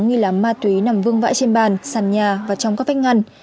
nghi là ma túy nằm vương vãi trên bàn sàn nhà và trong các vách ngăn